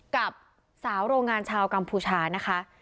กับสาวโรงงานชาวกัมพูชานะคะ